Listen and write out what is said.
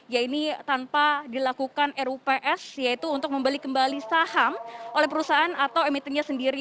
yaitu tanpa dilakukan rups yaitu untuk membeli kembali saham oleh perusahaan atau emitennya sendiri